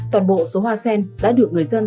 toàn bộ số hoa sen đã được người dân